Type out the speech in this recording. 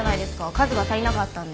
数が足りなかったんで。